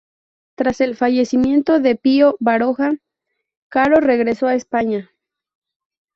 Tras el fallecimiento de Pío Baroja, Caro regresó a España.